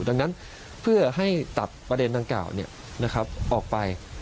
ดังนั้นเพื่อให้ตัดประเด็นดังกล่าวออกไป